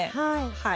はい。